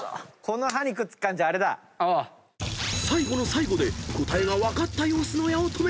［最後の最後で答えが分かった様子の八乙女］